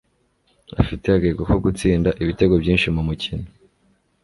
afite agahigo ko gutsinda ibitego byinshi mu mukino